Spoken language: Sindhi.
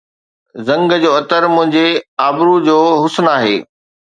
زنگ جو عطر منهنجي ابرو جو حسن آهي